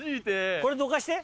これどかして！